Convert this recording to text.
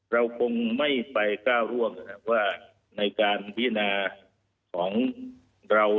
เราคงไม่ไปก้าวร่วมว่าในการพิจารณาของเรา